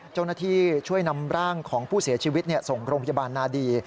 เจ้าหน้าที่ช่วยนำร่างของผู้เสียชีวิตส่งโรงพยาบาลนาดี